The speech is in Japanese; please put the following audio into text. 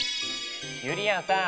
ゆりやんさん！